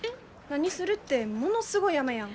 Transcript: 何するってものすごい雨やん。